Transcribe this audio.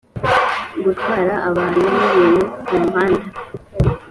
gutwara abantu n’ ibintu mu muhanda